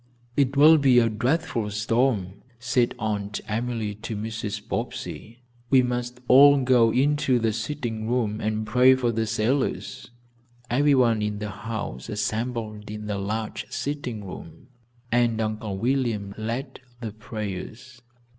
"It will be a dreadful storm," said Aunt Emily to Mrs. Bobbsey. "We must all go into the sitting room and pray for the sailors." Everyone in the house assembled in the large sitting room, and Uncle William led the prayers.